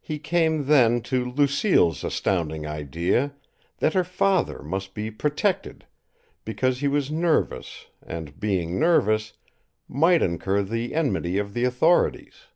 He came, then, to Lucille's astounding idea, that her father must be "protected," because he was nervous and, being nervous, might incur the enmity of the authorities.